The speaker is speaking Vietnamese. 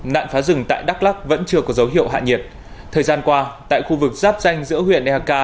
nạn phá rừng tại đắk lắc vẫn chưa có dấu hiệu hạ nhiệt thời gian qua tại khu vực giáp danh giữa huyện eak